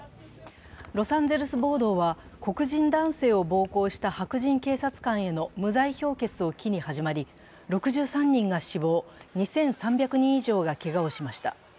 ロサンゼルス暴動は、黒人男性を暴行した白人警察官への無罪評決を機に始まり、６３人が死亡、２３００人以上がけがをしました。